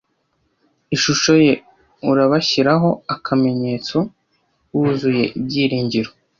Ishusho ye. Urabashyiraho akamenyetso, wuzuye ibyiringiro,